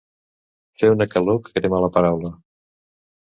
Fer una calor que crema la paraula.